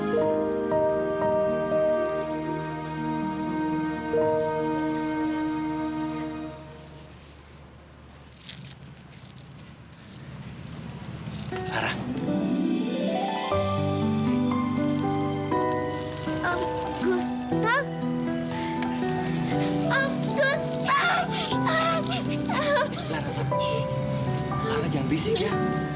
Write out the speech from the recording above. lara jangan bisik ya